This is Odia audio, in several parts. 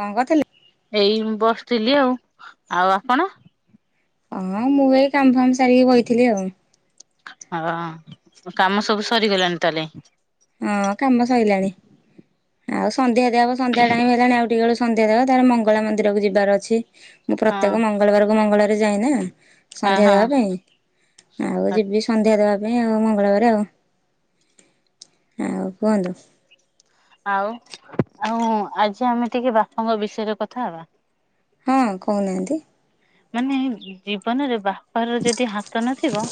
କଣ କରିଥିଲେ? ଏଇ ବସିଥିଲି ଆଉ। ଆଉ ଆପଣ? ହଁ ମୁଁ ଏଇ କାମ୍ ଫାମ୍ ସ ସାରିକି ବଇଥିଲି ଆଉ। ହଁ କାମ ସବୁ ସରିଗଲାଣି ତାହେଲେ। ହଁ କାମ ସଇଲାଣି । ଆଉ ସନ୍ଧ୍ୟା ଦିଆ ହବ ସନ୍ଧ୍ୟା ଟାଇମ୍ ହେଲାଣି ଆ ଟିକେ ବେଳେ- ସନ୍ଧ୍ୟା ଦବା ତାପେର ମଙ୍ଗଳା ମନ୍ଦିରକୁ ଯିବାର ଅଛି। ମୁଁ ହଁ ପ୍ରତ୍ୟକ ମଙ୍ଗଳବାର୍ କୁ ମଙ୍ଗଳବାର। ଯାଇ ନା ଅ ସନ୍ଧ୍ୟା ହଁ ଦେବା ପାଇଁ ଆଉ ଯିବି ସନ୍ଧ୍ୟା ଦେବା ପାଇଁ ଆଉ ମଙ୍ଗଳବାର ଆଉ। ଆଉ କୁହନ୍ତୁ ଆଉ ଆଉ ଆଜି ଆମେ ଟିକେ ବାପାଙ୍କ ବିଷୟରେ କଥା ହବା। ହଁ କହୁନାହାନ୍ତି। ମାନେ ଜୀବନରେ ବା ବାପା ର ଯଦି ହାତ ନଥିବ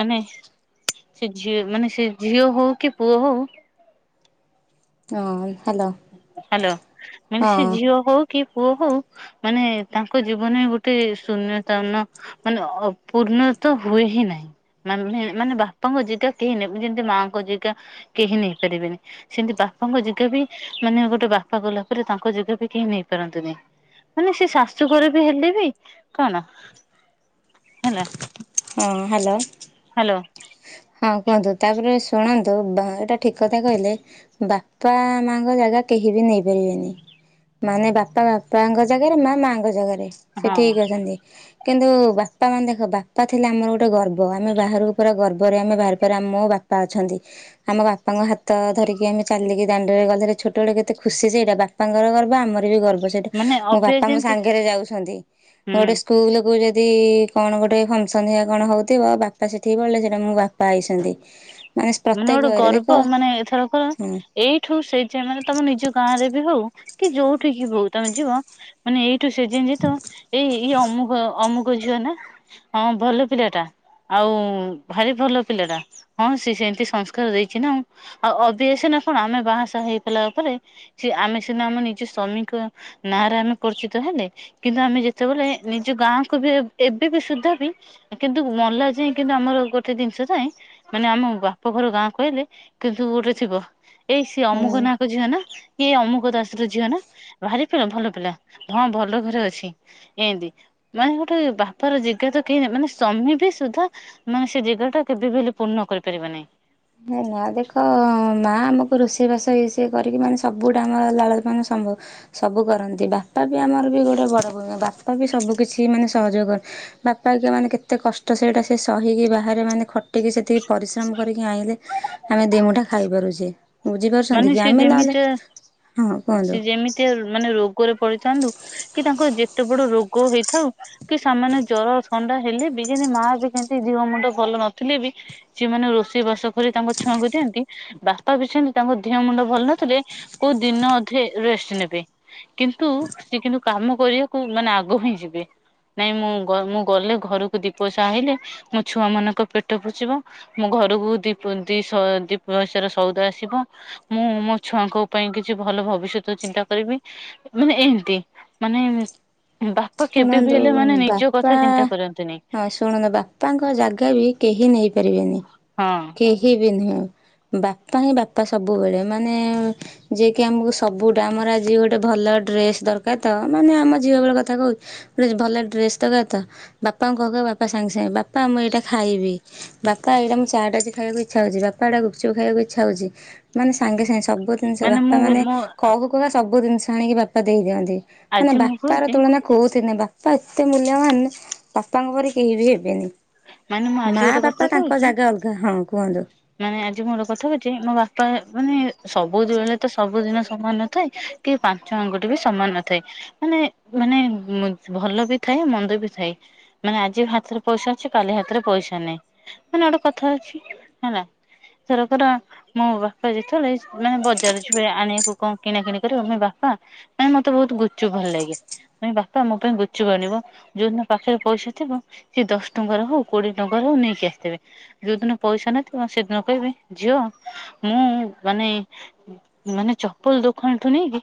ମାନେ ସେ ଝିଅ ମାନେ ସେ ଝିଅ ହଉ କି ପୁଅ ହଉ ହଁ ହ୍ୟାଲୋ ହାଲୋ ମୁଁ କହିଲି ହଁ। ସେ ଝିଅ ହଉ କି ପୁଅ ହଉ ମାନେ ତାଙ୍କ ଜୀବନରେ ଗୋଟେ ଶୂନ୍ୟତାନ ମାନେ ଅପୂର୍ଣ୍ଣତ ହୁଏ ହିଁ ନାହିଁ ମାନେ ମାନେ ବାପାଙ୍କ ଯେଗା କେହି ନେବେନି ଯେମତି ମାଙ୍କ ଯେଗା କେହି ନେଇପାରିବେନି ସେମିତି ବାପାଙ୍କ ଜାଗା ବି ମାନେ ଗୋଟେ ବାପା ଗଲା ପରେ ତାଙ୍କ ଯେଗା ବି କେହି ନେଇପାରନ୍ତିନି ମାନେ ସେ ଶାଶୁ ଘରେ ବି ହେଲେ ବି କଣ ହେଲା ହଁ ହାଲୋ ହାଲୋ ହଁ କୁହନ୍ତୁ ତାପରେ ଶୁଣନ୍ତୁ ଏଇଟା ଠିକ କଥା କହିଲେ ବାପା ମାଙ୍କ ଜାଗା କେହି ବି ନେଇପାରିବେନି ମାନେ ବାପା ବାପାଙ୍କ ଜାଗାରେ ମା ମାଙ୍କ ଜାଗାରେ। ସେ ହଁ ଠିକ ଅଛନ୍ତି। କିନ୍ତୁ ବାପା ମାନେ ଦେଖ ବାପା ଥିଲେ ଆମର ଗୋଟେ ଗର୍ବ ଆମେ ବାହାରକୁ ପୁରା ଗର୍ ଆମ ଘରେ ଆମ ବାହାରିପାର ମୋ ବାପା ଅଛନ୍ତି ।ଆମ ବାପାଙ୍କ ହାତ ଧରିକି ଆମେ ଚାଲିକି ଦାଣ୍ଡରେ ଗଲେବି, ଛୋଟବେଳେ କେତେ ଖୁସି ଯେ ସେଇଟା ବାପାଙ୍କର ଗର୍ବ ଆମର ବି ଗର୍ବ । ହଁ ସେଇଟା ମାନେ ମୋ ଅବେ ବାପା ମୋ ଯେମିତି ସାଙ୍ଗରେ ଯାଉଛନ୍ତି ।ମୁଁ ହୁଁ ଗୋଟେ ସ୍କୁଲକୁ ଯେଦି ଯଦି କଣ ଗୋଟେ ଫଙ୍କସନ ହେରିକା କଣ ହଉଥିବ ବାପା ସେଠିକି ପଳେଇଲେ ମୋ ବାପା ଆଇଛନ୍ତି । ମାନେ ଗୋଟେ ଗର୍ବ ମାନେ ଏଥରକ ହଁ ଏଇଠୁ ସେ ଯ ମାନେ ତମ ନିଜ ଗାଁ ରେ ବି ହଉ । କି ଯୋଉଠିକି କି ବି ହଉ ତମେ ଯିବ ମାନେ ଏଇ ସେ ଯିଏ ଜିନି ଯାଇଥିବ ଏଇ ଏଇ ଅମୁକ ଅମୁକ ବୁଝିଲ ନା ହଁ ଭଲ ପିଲାଟା ଆଉ ଭାରି ଭଲ ପିଲାଟା ହଁ ସେ ସେମ୍ ସେ ସଂସ୍କାର ଦେଇଛି ନାଁ ଆଉ ଅଭି ଆ ସିନା ଶୁଣ କଣ ଆମେ ବାହାସାହା ହେଇପଲା ପରେରେ ସି ଆମେ ସିନା ଆମ ନିଜ ସ୍ଵାମୀଙ୍କ ନାଁରେ ଆମେ ପରିଚିତ ହେଲେ କିନ୍ତୁ ଆମେ ଯେତେବେଳେ ନିଜ ଗାଁକୁ ବି ଏବେ ବି ସୁଧା ବି କିନ୍ତୁ ବାପଘର ଗାଁ କହିଲେ କିନ୍ତୁ ଗୋଟେ ଥିବ । ଏଇ ସିଏ ହୁଁ। ଅମୁକ ନାହାକ ଝିଅ ନା । କିଏ ଅମୁକ ଦାସର ଝିଅ ନା ଭାରି ପିଲ ଭଲ ପିଲା ହଁ ଭଲ ଘରେ ଅଛି ଏନ୍ତି ।ମାନେ ଗୋଟେ ବାପାର ଜାଗା ତ କେହି ମାନେ ସ୍ଵାମୀ ବି ସୁଦ୍ଧା ମାନେ ସେ ଜାଗା ଟା କେବେ ବି ହେଲେ ପୂର୍ଣ୍ଣ କରିପାରିବ ନାହିଁ । ହେ ନା ଦେଖ ମା ଆମକୁ ରୋଷେଇବାସ ଇ ସିଏ କରିକି ମାନେ ସବୁଟା ଆମର ଲାଳନ ପାଳନ ମାନେ ସମ୍ଭବ ସବୁ କରନ୍ତି ବାପା ବି ଆମର ବି ଗୋଟେ ବଡ଼ ଭୂମିକା ବାପା ବି ସବୁକିଛି ମାନେ ସହଯୋଗ କରନ୍ତି ବାପା୍ ମାନେ କେତେ କଷ୍ଟ ସେଇଟା ସେ ସହିକି ବାହାରେ ମାନେ ଖଟ୍ ଟିକେ ସେତିକି ପରିଶ୍ରମ କରିକି ଆଇଁଲେ । ଆମେ ଦିମୁଠା ଖାଇ ପାରୁଛେ । ମାନେ ସେ ଯେମିତିଆ ହଁ କୁହନ୍ତୁ। ସେ ଯେମିତିଆ ରୋଗରେ ପଡିଥାନ୍ତୁ କି ତାଙ୍କର ଯେତେ ବଡ ରୋଗ ହେଇଥାଉ କି ସେମାନେ ଜର ଥଣ୍ଡା ହେଲେ ବି ଯେମତି ମା ବି କେମତି ଦିହ ମୁଣ୍ଡ ଭଲ ନଥିଲେ ବି ସେମାନେେ ରୋଷେଇ ବାସ କରି ତାଙ୍କ ଛୁଆଁଙ୍କୁ ଦିଅନ୍ତି ବାପା ବି ସେମତି ତାଙ୍କ ଦେହ ମୁଣ୍ଡ ଭଲ ନଥିଲେ, କୋଉ ଦିନ ଅଧେ ରେଷ୍ଟ ନେବେ କିନ୍ତୁ ସିଏ କିନ୍ତୁ କାମ କରିବାକୁ ମାନେ ଆଗ ହିଁ ଯିବେ । ନାଇଁ ମୁଁ ମୁଁ ଗଲେ ଘରକୁ ଦି ପଇସା ଆଇଲେ, ମୋ ଛୁଆ ମାନଙ୍କ ପେଟ ପୋଷିବ‌। ମୋ ଘରକୁ ଦି ଦି ଦି ପଇସାର ସଉଦା ଆସିବ । ମୁଁ ମୋ ଛୁଆଙ୍କ ପାଇଁ କିଛି ଭଲ ଭବିଷ୍ୟତ ଚିନ୍ତା କରିବି, ମାନେ ଏମିତି ମାନେ ବାପା କେବେ ବି ଶୁଣନ୍ତୁ ହେଲେ ମାନେ ନିଜ କଥା ବାପା ଚିନ୍ତା କରନ୍ତିନି। ହ ଶୁଣନ୍ତୁ ବାପାଙ୍କ ଜାଗା ବି କେହି ନେଇ ପାରିବେନି। ହଁ କେହି ବି ନୁହଁ। ବାପା ହିଁ ବାପା ସବୁବେଳେ ମାନେ ଯିଏକି ଆମକୁ ସବୁଟା ଆମର ଆଜି ଗୋଟେ ଭଲ ଡ୍ରେସ ଦରକାର, ତ ମାନେ ଆମ ଝିଅ ବେଳ କଥା କହୁଛି। ଗୋଟେ ଭଲ ଡ୍ରେସ ଦବା ତ ବାପାଙ୍କୁ କହୁକହୁ ବାପା ସାଙ୍ଗେ ସାଙ୍ଗେ ବାପ୍ ବାପା ମୁଁ ଏଇଟା ଖାଇବି । ବାପା ଏଇଟା ମୁଁ ଚାଟ ଖାଇବାକୁ ଇଛା ହଉଛି । ବାପା ଏଟା ଗୁପଚୁପ ଖାଇବାକୁ ଇଚ୍ଛା ହଉଛି। ମାନେ ସାଙ୍ଗେ ସାଙ୍ଗେ ସବୁ ଜିନିଷ ମାନେ ମୁଁ ବାପାମାନେ ମୋ କହୁ କହୁକା ସବୁ ଜିନିଷ ଆାଣିକି ବାପା ଦେଇଦିଅନ୍ତି। ମାନେ ଆଜି ମୁଁ ବାପାର କହୁଛି ତୁଳନା । ବାପା ଏତେ ମୂଲ୍ୟବାନ ବାପାଙ୍କ ପରି କେହି ବି ହେବେନି । ମାନେ ମୁଁ ଆଜି ମା ଗୋଟେ କଥା ବାପା ତାଙ୍କ କହୁଛି ଜାଗା ଅଲଗା । ହଁ କୁହଁନ୍ତୁ। ମାନେ ଆଜି ମୁଁ ଗୋଟେ କଥା କହୁଛି ମୋ ବାପା ମାନେ ସବୁ ବଳେ ତ ସବୁଦିନ ସମାନ ନଥାଏ ।କି ପାଞ୍ଚ ଆଙ୍ଗୁଠି ବି ସମାନ ନଥାଏ ।ମାନେ ମାନେ ଭଲ ବି ଥାଏ ମନ୍ଦ ବି ଥାଏ। ମାନେ ଆଜି ହାତରେ ପଇସା ଅଛି କାଲି ହାତରେ ପଇସା ନାହିଁ। ମାନେ ଗୋଟେ କଥା ଅଛି। ହେଲା ରକାର ମୋ ବାପା ଯେତେବେଳେ ମାନେ ବଜାରରେ ଯିବେ ଆଣିବାକୁ କଣ କିଣା କିିଣି କରିବା ପାଇଁ ବାପା ମାନେ ମତେ ବହୁତ ଗୁପଚୁପ୍ ଭଲ ଲାଗେ ମ ବାପା ମୋ ପାଇଁ ଗୁପଚୁପ୍ ଆଣିବ ଯୋଉଦିନ ପାଖରେ ପଇସା ଥିବ। ସେ ଦଶ ଟଙ୍କାର ହଉ କୋଡିଏ ଟଙ୍କାର ହଉ ନେଇକି ଆସିଥିବେ। ଯୋଉଦିନ ପଇସା ନ ଥି ସେଦିନ କହିବେ ଝିଅ ମୁଁ ମାନେ ମାନେ ଚପଲ ଦୋକାନଠୁ ନେଇକି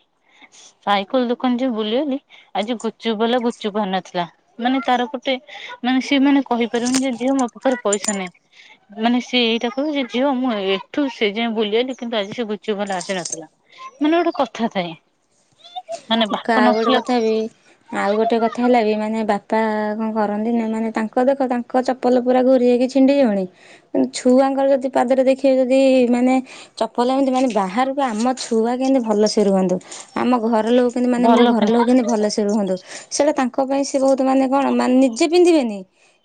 ସାଇକେଲ ଦୋକାନ ଯ ବୁଲିଅଇଲି ।ଆଜି ଗୁପଚୁପ୍ ବାଲା ଗୁପଚୁପ୍ ଆଣିନଥିଲା। ମାନେ ତାର ପଟେ ମାନେ ସିଏ ମାନେ କହିପାରିବନି ଯେ ଝିଅ ମୋ ପାଖରେ ପଇସା ନାହିଁ। ମାନେ ସିଏ। କହ ଯେ ଝିଅ ମୁଁ ଏଠୁ ସେ ଯାଏ ବୁଲିଆଇଲି। କିନ୍ତୁ ଆଜି ସେ ଗୁପଚୁପ୍ ବାଲା ଆସି ନଥିଲା। ମାନେ ଗୋଟେ କଥା ଥାଏ । ଦେଖ ଆଉ ଗୋଟେ କଥା ବି ଆଉ ଗୋଟେ କଥା ହେଲା ବି ମାନେ ବାପା । ବାପା କଣ କରନ୍ତି ନା ମାନେ ତାଙ୍କ ଦେଖ ତାଙ୍କ ଚପଲ ପୁରା ଘୁରି ହେଇକି ଛିଣ୍ଡିଯିବନି । କିୁନ୍ତୁ ଛୁଆଙ୍କର ଯଦି ପାଦରେ ଦେଖିବେ ଯଦି ମାନେ ଚପଲ ଏମିତି ମାନେ ବାହାରକୁ ଆମ ଛୁଆ କେମିତି ଭଲସେ ରୁହନ୍ତୁ ।ଆମ ଘର ଲୋକ ସେ ମାନେ ମୋ ଭଲ ଘର ପିନ୍ଧ ଲୋକମାନେ କେମିନ୍ତି ଭଲସେ ରୁହନ୍ତୁ ।ସେଇଟା ତା କ ପାଇଁ ସେ ବହୁତ ମାନେ କଣ। ମାନେ ନିଜେ ପିନ୍ଧିବେନି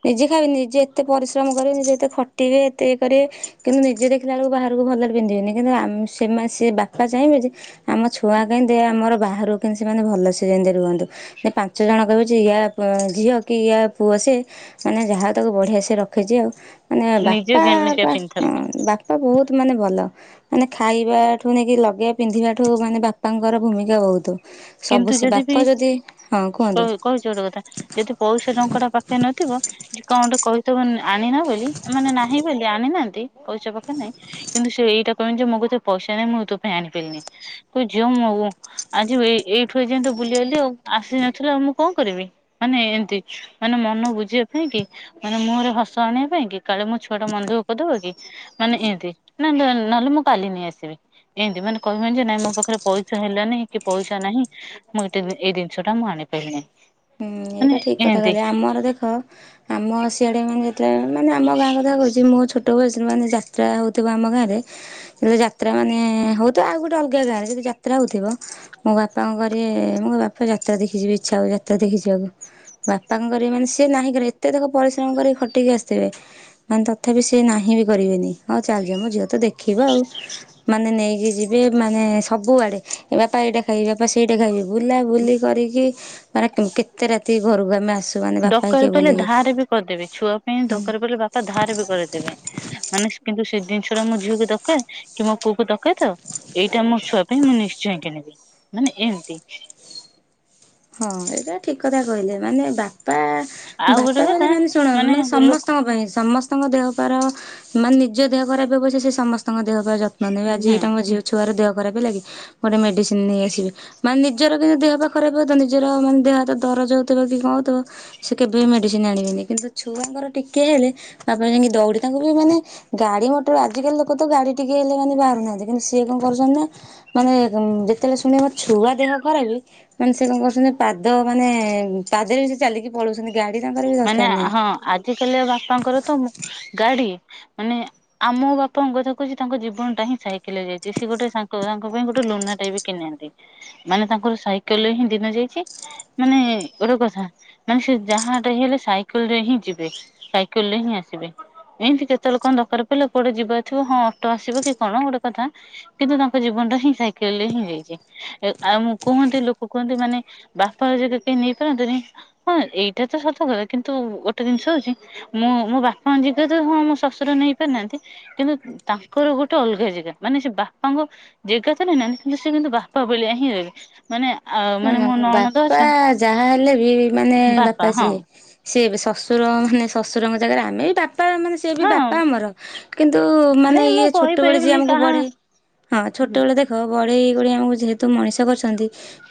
ନିଜେ ଖାଇବେନି ନିଜେ ଏତେ ପରିଶ୍ରମ କରିବେ ନିଜେ ଏତେ ଖଟିବେ ଏତେ ଇଏ କରିବେ କିନ୍ତୁ ନିଜେ ଦେଖିଲା ବେଳକୁ ବାହାରକୁ ଭଲରେ ପିନ୍ଧିବେନି କିନ୍ତୁ ଆମ ସେ ସେମାନେ ସେ ବାପା ଚାହିଁବେ ଯେ ଆମ ଛୁଆ କେମିତି ଆମର ବାହାର କିନ୍ତୁ ସେମାନେ ଭଲସେ ଯେମିତି ରୁହନ୍ତୁ ।ଯେ ପାଞ୍ଚ ଜଣ କହିବେ ୟା ଝିଅ କି ୟା ପୁଅ ସେ ମାନେ ଯାହା ତାକୁ ବଢିଆ ସେ ରଖିଛି ଆଉ। ମାନେ ନିଜେ ବାପା ଯେମିତିଆ ବାପ ପିନ୍ଧିଥାଉ ବାପା ବହୁତ ମାନେ ଭଲ ।ମାନେ ଖାଇବା ଠୁ ନେଇକି ଲଗେଇବା ପିନ୍ଧିବା ଠୁ ମାନେ ବାପାଙ୍କର ଭୂମିକା ବହୁତ। ସବୁ କିନ୍ତୁ ସେ ଯଦି ବି ବାପା ହଁ କୁହନ୍ତୁ। କ କହିଚ ଗୋଟେ କଥା ଯଦି ପଇସା ଟଙ୍କା ଟା ପାଖେ ନଥିବ ଯେ କଣ ଗୋଟେ କହି [inaudible] ଆଣିନ ବୋଲି ମାନେ ନାହିଁ ବୋଲି ଆଣିନାହାନ୍ତି। ପଇସା ପାଖରେ ନାହିଁ କିନ୍ତୁ ସେ ଏଇଟା କହିବେନି ଯେ ମୋ କତେ ପଇସା ନାହିଁ ମୁଁ ତୋ ପାଇଁ ଆଣିପାରିବେନିକହିବେ ଝିଅ ମୁଁ ଆଜି ଏ ଏଇଠୁ ଏଯାଏଁ ତୁ ବୁଲି ଆଇଲି ଆଉ ଆସି ନଥିଲା ଆଉ ମୁଁ କଣ କରିବି ମାନେ ଏମିତି ମାନେ ମନ ବୁଝିବା ପାଇଁ କି ମାନେ ମୁହଁରେ ହସ ଆଣିବା ପାଇଁ କି କାଳେ ମୋ ଛୁଆଟା ମନ ଦୁଃଖ କରିବ କି ମାନେ ଏମିତି ନ ନହେଲେ ମୁଁ କାଲି ନେଇ ଆସିବି ଏମତି ମାନେ କହିବନି ଯେ ନାଇଁ ମୋ ପାଖରେ ପଇସା ହେଲାନି କି ପଇସା ନାହିଁ ମୁଁ ଏଟା ଏଇ ଜିନିଷ ଟା ମୁଁ ଆଣିପାରିଲିନି। ହୁଁ ମାନେ ଏଇଟା ଠିକ୍ କଥା ଏମିତି କହିଲେ ଆମର ଦେଖ ଆମ ସିଆଡେ ମାନେ ମାନେ ଆମ ଗାଁ କଥା କହୁଛି ମୁଁ ଛୋ ଛୋଟ ବୟସରେ ମାନେ ଯାତ୍ରା ହଉଥିବ ଆମ ଗାଁରେ ସେତ ଯାତ୍ରା ମାନେ ହଉଥିବ ଆଉ ଗୋଟେ ଅଲଗା ଗାଁରେ ଯଦି ଯାତ୍ରା ହଉଥିବ ମୋ ବାପା କଣ କରିବେ ମୋ ବାପା ଯାତ୍ରା ଦେଖି ଯିବ ବି ଇଚ୍ଛା ହଉ ଯାତ୍ରା ଦେଖି ଯିବାକୁ ବାପା କଣ କରିବେ ମାନେ ସିଏ ନାହିଁ କରିବେଏତେ ଦେଖ ପରିଶ୍ରମ କରିକ ଖଟିକି ଆସିଥିବେ ମାନେ ତଥାପି ସିଏ ନାହିଁ ବି କରିବେନି ହଉ ଚାଲଯିବା ମୋ ଝିଅ ତ ଦେଖ ଦେଖିବା ଆଉ ମାନେ ନେଇ ଇଏ ଯିବେ ମାନେ ସବୁଆଡେ ବାପା ଏଇଟା ଖାଇବେ ବାପା ସେଇଟା ଖାଇବି। ବୁଲାବୁଲି କରିକି ମାନେ କେତେ ରାତିକି ଘରକୁ ଆମେ ଆସୁ ମାନେ ବାପା ଦରକାର ହେରିକା ପଇଲେ ବୁଲିକି ଧାର ବି କରିଦେବେ ଛୁଆ ପାଇଁ ହୁଁ। ଦରକାର ପଇଲେ ବାପା ଧାର ବି କରିଦେବେ ମାନେ କିନ୍ତୁ ସେ ଜିନିଷ ମୁଁ ଝିଅକୁ ଦରକାର କି ମୋ ପୁଅ କୁ ଦକ ହୁଏତ ଏଇଟା ମୁଁ ସି ପାଇଁ ମୁଁ ନିଶ୍ଚୟ କିଣବି ମାନେ ଏମିତି। ହଁ ଏଇଟା ଠିକ କଥା କହିଲେ ମାନେ ବା ପା ଆଉ ଗୋଟେ ବାପା ବୋଲି କଥା ମାନେ ଶୁଣ ମାନେ ଲୋକ ସମସ୍ତଙ୍କ ପାଇଁ ସମସ୍ତ ତାଙ୍କ ଦେହ ପାର ମାନେ ନିଜ ଦେହ ଖରାପ ବ୍ୟବ ସେ ସମ ତାଙ୍କ ଦେହ ପାଇଁ ଯତ୍ନ ନେବେ ଆଜି ଏଇ ହୁଁ ତାଙ୍କ ଝଅ ଛୁଆର ଦେହ ଖରାପ ଲାଗେ ଗୋଟେ ମେଡିସି ନେଇ ଆସିବି ମାନେ ନିଜର ଯ ଦେହ ପା ଖରାପ ନିଜର ମାନେ ଦେହ ହାତ ଦରଜ ହଉଥିବ କି କଣଉଥିବ ସେ କେବେ ବି ମେଡିସିନ ଆଣିବେନି କିନ୍ତୁ ଛୁଆଙ୍କର ଟିକେ ହେଲେ ବାପା ଯାଇକି ଦୌଡି ତାଙ୍କୁ ବି ମାନେ ଗାଡି ମଟର ଆଜିକାଲି ଲୋକ ତ ଗାଡି ଟିକେ ହେଲେ ମାନେ ବାହାରୁନାହାନ୍ତି କିନ୍ତୁ ସିଏ କଣ କରୁଛନ୍ତି ନା ମାନେ ଯେତେବେଳେ ଶୁଣ ମୋ ଛୁଆ ଦେହ ଖରାପ। ମାନେ ସେ କଣ କରୁଛନ୍ତି ପାଦ ମାନେ ପାଦରେ ବି ସେ ଚାଲିକି ପଳଉଛନ୍ତି। ଗାଡି ତାଙ୍କର ବି ଦରକାର ମାନେ ନାହିଁ। ହଁ ଆଜିକାଲି ବାପାଙ୍କର ତ ଗାଡି। ମାନେ ଆମ ବାପାଙ୍କ କଥା କହୁଛି ତାଙ୍କ ଜୀବନ ଟା ହିଁ ସାଇକେଲ ଯାଇଛି ସେ ଗୋଟେ ତାଙ୍କ ପାଇଁ ଗୋଟେ ଲୁନା ଟା ବି କିନାନ୍ତି ମାନେ ତାଙ୍କର ସାଇକେଲରେ ହିଁ ଦିନ ଯାଇଛି ମାନେ ଗୋଟେ କଥା ମାନେ ସେ ଯାହା। ଲେ ସାଇକେଲରେ ହିଁ ଯିବେ ସାଇକେଲରେ ହିଁ ଆସିବେ ଏମତି କେତେ ଲୋକଙ୍କ ଦରକାର ପିଲେ କୁଆଡେ ଯିବଥିବ ହଁ ଅଟୋ ଆସିବ କି କଣ ଗୋଟେ କଥା କିନ୍ତୁ ତାଙ୍କ ଜୀବନଟା ହିଁ ସାଇକେଲ ରେ ହିଁ ଯାଇଛି ଆଉ ମୁଁ କୁହନ୍ତି ଲୋକ କୁହନ୍ତି ମାନେ ବାପା ଯ କେହି ନେଇପାରନ୍ତନି ହଁ ଏଇଟା। ତ ସତ କଥା କିନ୍ତୁ ଗୋଟେ ଜିନିଷ ହଉଛି ମୁଁ ମୋ ବାପାଙ୍କ ଜାଗା ତ ହଁ ମୋ ଶଶୁର ନେଇ ପାରିନାହାନ୍ତି କିନ୍ତୁ ତାଙ୍କର ଗୋଟେ ଅଲଗା ଜାଗା ମାନେ ସେ ବାପାଙ୍କ ଜାଗା ତ ନେଇନାହାନ୍ତି କିନ୍ତୁ ସେ କିନ୍ତୁ ବାପା ଭଳିଆ ହିଁ ରହେ। ଶୁଣ ବାପା ଯାହା ହେଲେ ବି ମାନେ ବା ବାପା ହଁ ସ ସିଏବି ଶଶୁର। ମାନେ ଶଶୁରଙ୍ଗ ଜାଗାରେ ଆମେ ବି ବାପ। ବାପା ମାନେ ସେଏ ବି ହଁ ବାପା ଆମର କିନ୍ତୁ ମାନେ ନାଇଁ ମୁଁ ଇଏ ଛୋଟବେଳେ ଯିଏ କହିପାରିବିନି ଆମକୁ କାହା ବଢେ ହଁ ଛୋଟବେେଳେ ଦେଖ। ବଢଳେଇ ଗଳି ଆମକୁ ଯେହେତୁ ମଣିଷ କରୁଛନ୍ତି।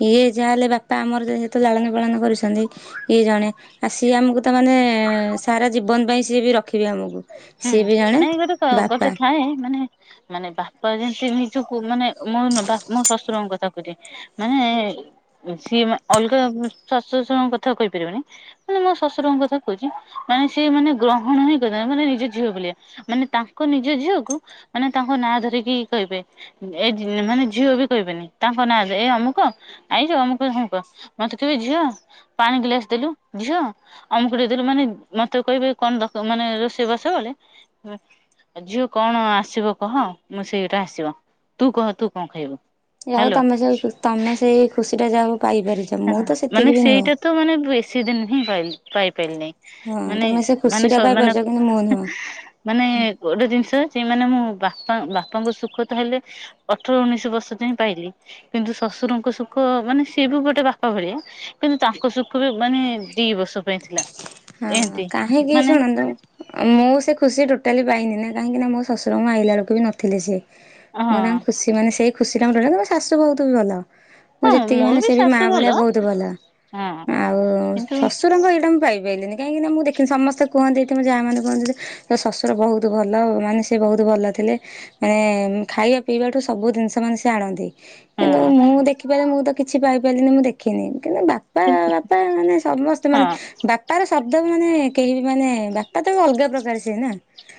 ଇଏ ଯାହା ହେେଲେ ବାପା ଆମରେତ ଜାଳନ ପାଳନ କରୁଛନ୍ତି ଇଏ ଜଣେ ଆଉ ସିଏ ଆମକୁ ତାମାନୋନେ ସାରା ଜୀବନ ପାଇଁ ସିଏ ବି ରଖିବେ ଆମକୁ ହୁଁ ସିଏ ବି ଜଣେ ନାଇଁ ଗୋଟେ ବାପା। ଗୋଟେ ଥାଏ ମାନେ ମାନେ ବାପା ଯେମ ସେ ନିଜକୁ ମାନେ ମୋର ନୁହଁ ବାପା ମୋ ଶ୍ୱଶୁରଙ୍କ କଥା କହୁଚି। ମାନେ ସିଏ ଅଲଗା ଶାଶୂ ଶ୍ଵଶୁରଙ୍କ କଥା କହିପାରିବିନି। ମାନେ ମୋ ଶ୍ୱଶୁରଙ୍କ କଥା କହୁଚି ମାନେ ସିଏ ମାନେ ଗ୍ରହଣ ହିଁ କରିବେନି ମାନେ ନିଜେ ଝିଅପିଲିଆ ମାନେ ତାଙ୍କ ନିଜ ଝିଅକୁ ମାନେ ତାଙ୍କ ନାଁ ଧରିକି କହିବେ। ଏ ଝି ମାନେ ଝିଅ ବି କହିବେନି ତାଙ୍କ ନାଁ ଧରି। ଏ ଅମୁକ ଆଇଚ? ଅମୁକ କି ସମୁକ। ମତେ କହିବେ ଝିଅ ପାଣି ଗିଲାସ୍ ଦେଲୁ। ଝିଅ ଅମୁକ ଟେ ଦେଲୁ ମାନେ ମତେ କହିବେ କଣ ମାନେ ରୋଷେଇ ବା ସ ବେଲେ ଝିଅ କଣ ଆସିବ କହ ମୁଁ ସେଇଟା ଆସିବ। ତୁ କହ ତୁ କଣ ଖାଇବୁ? ଯା ହଉ ହ୍ୟାଲୋ ତମେ ସବୁ ତମେ ସେଇ ଖୁସି ମାନେ ନୁହଁ। ସେଇଟା ତ ମାନେ ବେଶୀ ଦିନ ହିଁ ପାଇଲି। ପାଇପାଇଲିନେଇ। ହଁ ମାନେ ତମେ ସେ ଖୁସି ମାନେ ଟା ସ ମାନେ ପାଇପାରୁଛ କିନ୍ତୁ ମୁଁ ନୁହଁ ମାନେ ଗୋଟେ ଜିନିଷ ଯେଉ ମାନେ ମୁଁ ବାପା ବାପାଙ୍କ ସୁଖ ତ ହେଲେ ଅଠର ଉଣେଇଶି ବର୍ଷ ଯାଏ ପାଇଲି। କିନ୍ତୁ ଶ୍ୱଶୁରଙ୍କ ସୁଖ ମାନେ ସିଏ ବି ଗୋଟେ ବାପା ଭଳିଆ କିନ୍ତୁ ତାଙ୍କ ସୁଖ ବି ମାନେ ଦି ବର୍ଷ ପାଇଁ ଥିଲା। ହଁ ଏମତି କାହିଁକି ମାନେ ଶୁଣନ୍ତୁ ମୁଁ ସେ ଖୁସି ଠୁ ଟୋଟାଲି ପାଇନି ନା କାହିଁକି ନା ଶ୍ୱଶୁର ମୁଁ ଆଇଲା ବେଳକୁ ବି ନଥିଲେ ସେ। ହଁ ମୁଁ ତାଙ୍କ ଖୁସି ମାନେ ସେଇ ଖୁସି କାମ ଟୋଟାଲି ମୋ ଶାଶୂ ବହୁତ ବି ଭଲ। ମୁଁ ହଁ ଯେତିକି ମୋର ମାନେ ସେ ବି ମା ଶାଶୁ ଭଳିଆ ବହୁତ ଭଲ। ହଁ ଆଉ କିନ୍ତୁ ଶ୍ଵଶୁରଙ୍କ ଏଇଟା ମୁଁ ପାଇନି ପେଇଲିିନି କାହିଁକି ନା ମୁଁ ଦେଖିଲି ସମସ୍ତେ କୁହନ୍ତି ଏଠି ମୋ ଯାଆ ମାନେ କୁହନ୍ତି ଯେ ତୋ ଶ୍ଵଶୁର ବହୁତ ଭଲ। ମାନେ ସେ ବହୁତ ଭଲ ଥିଲେ ମାନେ ଖାଇବା ପିଇବାଠୁ ସବୁ ଜିନିଷ ମାନେ ସେ ଆଣନ୍ତି। କିନ୍ତୁ ହଁ ମୁଁ ଦେଖି ମୁଁ ତ କିଛି ପାଇ ପାରିଲିନି ମୁଁ ଦେଖିନି। କିନ୍ତୁ ବାପା କିନ୍ତୁ ବାପା ମାନେ ସମସ୍ତେ ମାନେ ହଁ ବାପ ଶବ୍ଦ ମାନେ କେହି ବି ମାନେ ବାପା ତ ଅଲଗା ପ୍ରକାର। ସେ ନା।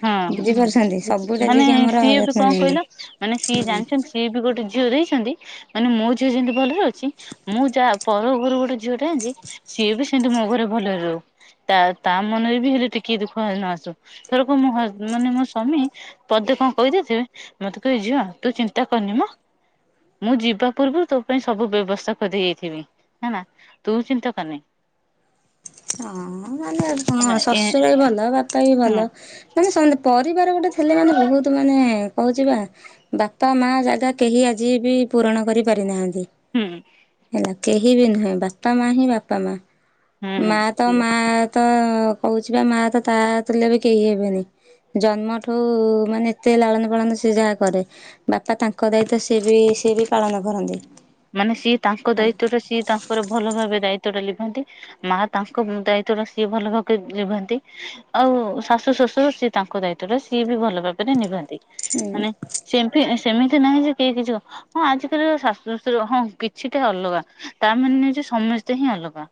ହଁ ବୁଝିପାରୁଛନ୍ତି ହଁ ସବୁଟା ମାନେ ଯିଏକି ଆମର ସିଏ ବି ଯତ୍ନ କଣ ନିଅନ୍ତି। କହିଲ ମାନେ ସିଏ ଜାଣିଛନ୍ତି ସିଏ ବି ଗୋଟେ ଝିଅ ଦେଇଛନ୍ତି ମାନେ ମୋ ଝିଅ ଯେମିତି ଭଲରେ ଅଛି ମୁଁ ଯାହା ପର ଘରୁ ଗୋଟେ ଝିଅ ଝିଅଟାଏ ଆଣିଚି ସିଏ ବି ସେମତି ମୋ ଘରେ ଭଲରେ ରହୁ। ତା ତା ମନରେ ବି ହେଲେ ଟିକେ ଦୁଃଖ ନ ଆସୁ। ଏଥରକୁ ମୋ ହଜ ମାନେ ମୋ ସ୍ଵାମୀ ପଦେ କଣ କହିଦେଇଥିବେ ମତେ କହିବେ ଝିଅ ତୁ ଚିନ୍ତା କରିନି ମ। ମୁଁ ଯିବା ପୂର୍ବରୁ ତୋ ପାଇଁ ସବୁ ବ୍ୟବସ୍ଥା କରି ଦେଇ ଯାଇଥିବି ହେନା ତୁ ଚିନ୍ତା କରିନି। ହଁ ଭାଲେ ଆଉ କଣ ଏ ଶ୍ୱଶୁର ବି ଭଲ ବାପା ବି ହଁ ଭଲ। ମାନେ ସମସ୍ତେ ପରି ପରିବାର ଗୋଟେ ଥିଲେ ମାନେ ବହୁତ ମାନେ କହୁଚି ବା ବାପା ମା ଜାଗା କେହି ଆଜି ବି ପୂରଣ କରିପାରିନାହାଁନ୍ତି। ହୁଁ। କେହି ବି ନୁହେଁ ବାପା ମା ହିଁ ବାପା ମା। ହୁଁ ମା ତ ସିଏ ମାଆ। ତ କହୁଛି ବା ମା ତା ଥେଲେ ବି କେହି ହେବେନି। ଜନ୍ମଠୁ ମାନେ ଏତେ ଲାଳନ ପାଳନ ସେ ଯାହା କରେ। ବାପା ତାଙ୍କ ଦାୟିତ୍ବ ସିଏ ବି ସିଏ ବି ପାଳନ କରନ୍ତି। ମାନେ ସିଏ ତାଙ୍କ ଦାୟିତ୍ୱ ହେଲା। ଟା ସିଏ ତାଙ୍କର ଭଲ ଭାବେ ଦାୟିତ୍ୱଟା ଲି ମା ତାଙ୍କ ଦାୟିତଵରେ ସିଏ ଭଲ ଭାବରେ ନିଭନ୍ତି ଆଉ ଶାଶୁ ଶ୍ୱଶୁର ସିଏ ତାଙ୍କ ଦାୟିତ୍ଵରେ ସିଏ ବି ଭଲ ଭାବରେ ନିଭନ୍ତି। ମାନେ ସେମତି ସେମିତି ନାହିଁ ଯେ କିହି କିଛି ହଁ ଆଜିକାଲି [inaudible] ହଁ କିଛିଟା ଅଲଗା ତା ମାନେନୁହଁଯେ ସମସ୍ତେ ହିଁ ଅଲଗା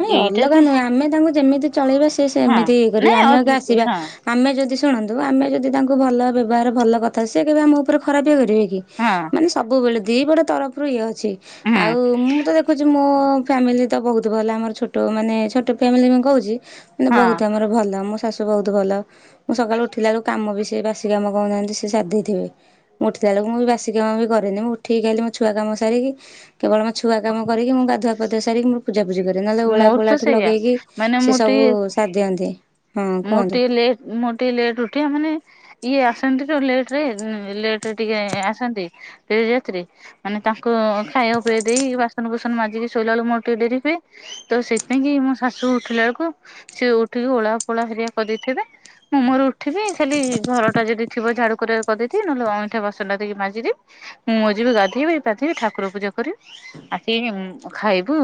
ନାଇଁ ଏଇଟା ଅଲଗା ବି ନୁହେଁ ଆମେ ତାଙ୍କୁ ଯେମିତି ଚଳେଇବା ସି ହଁ ସେମିତି ଇଏ କରିବେ ନାଇଁ ଆମେ ହଁ ଆଗେ ଆସିବା ହଁ ଆମେ ଯଦି ଶୁଣନ୍ତୁ ଆମେ ଯଦି ତାଙ୍କୁ ଭଲ ବ୍ୟବହାର ଭଲ କଥା ସି କେବେ ଆମ ଉପରେ ଖରାପ ଇଏ କରିବେ ହଁ ମାନେ ସବୁବେଳେ ଦି ବଡ ତରଫରୁ ଇଏ ଅଛି ଛି ହୁଁ ଆଉ ମୁଁ ତ ଦେଖୁଛି ମୋ ଫ୍ୟାମିଲି ତ ବହୁତ ଲା ଆମର ଛୋଟ ମାନେ ଛୋଟ ଫ୍ୟାମି ମୁଁ କହୁଚି ମାନେ ହଁ ବହୁତ ଆମର ଭଲ ମୋ ଶାଶୁ ସେ ବହୁତ ଭଲ ମୁଁ ସଖାଳୁ ଉଠିଲା ବେଳୁ କାମବି ସେ ବା ସିକାମ ବି କଣ ମୁଁ ଜାଣିଚି ସେ ଶାରିଦେଇଥିବେ ମୁଁ ଉଠି ଲାବେଳୁ ମୁ ବାସିକାମବି କରେନି ମୁ ଉଠିକି ଖାଲି ମୋ ଛୁଆ କମ୍ ସାରିକି କେବଳ ମୁ ଛୁଆ କାମ କରିକି ମୁ ଗାୁଧୁଆ ପାଧୁଆ ସାରିକି [unintelligible] ନହେଲେ ଉଳା ମୋର ତ ପୋଳା ଠୁ ସେଇଆ ଲଗେଇକି ସେ ସବୁ ସାରି ଦିଅନ୍ତି। ହଁ ମୋର କୁହନ୍ତୁ। ଟିକେ ଲେ ମୋର ଟିକେ ଲେଟ ଉଠିବା ମାନେ ଇଏ ଆସନ୍ତି ତ ଲେଟ ରେ ଲେଟ ରେ ଟିକେ ଆସନ୍ତି ଡେରି ରାତି ରେ ମାନେ ତାଙ୍କୁ ଖାଇବା ପିଇବା ଦେଇ ବାସନ କୁସନ ମାଜିକି ଶୋଇଲା ବଳୁ ମୋର ଟିକେ ଡେରି ହୁଏ ତ ସେଥିାଇ କିି ମୋ ଶାଶୁ ଉଠିଲା ବେଳକୁ ସିଏ ଉଠିକି ଓଳା ଓଳା ହରିଆ କରିଦେଇଥିବେ ମୁଁ ମୋର ଉଠିବି ଖାଲି ଘର ଟା ଯଦି ଥିବ ଝାଡୁ କରି କରିଦେଇଥିବି ନହେଲେ ଅଇଁଠା ବସନା ଟକି ମାଜିଦବି ମୁଁ ଯିବି ଗାଧେଇବି ପାଧେଇବି ଠାକୁର ପୂଜା କରିବି ଆସିକି ଖାଇବୁ।